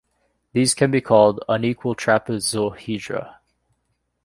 These can be called "unequal trapezohedra".